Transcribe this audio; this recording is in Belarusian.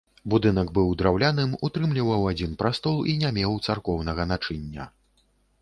Будынак быў драўляным, утрымліваў адзін прастол і не меў царкоўнага начыння.